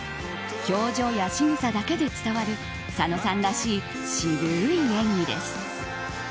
表情やしぐさだけで伝わる佐野さんらしい、渋い演技です。